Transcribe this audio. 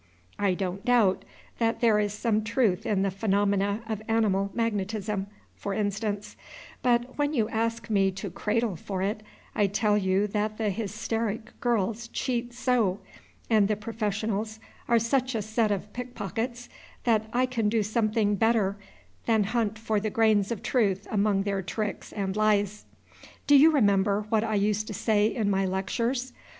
I don't doubt there is some truth in the phenomena of animal magnetism, for instance; but when you ask me to cradle for it, I tell you that the hysteric girls cheat so, and the professionals are such a set of pickpockets, that I can do something better than hunt for the grains of truth among their tricks and lies. Do you remember what I used to say in my lectures?